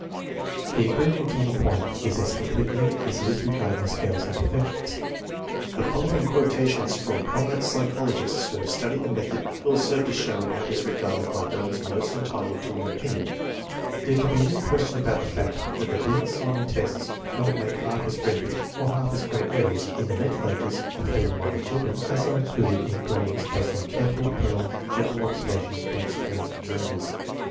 The agreement on this point is as complete as it is regarding the scale's imper fections. The following quotations from prominent psychologists who have studied the method will serve to show how it is regarded by those most entitled to an opinion: There can be no question about the fact that the Binet Simon tests do not make half as frequent or lialf as great errors in the mental ages (of feeble minded children) as are included in gradings based on careful, prolonged general observation by experienced observers.